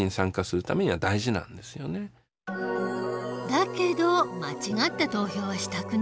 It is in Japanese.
だけど間違った投票はしたくない。